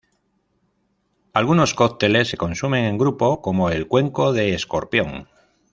Algunos cócteles se consumen en grupo, como el "cuenco de escorpión".